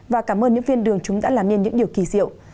và cảm ơn những phiên đường chúng đã làm nên những điều kỳ diệu